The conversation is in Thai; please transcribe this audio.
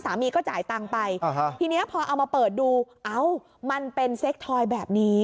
ก็จ่ายตังค์ไปทีนี้พอเอามาเปิดดูเอ้ามันเป็นเซ็กทอยแบบนี้